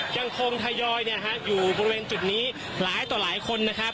ทยอยอยู่บริเวณจุดนี้หลายต่อหลายคนนะครับ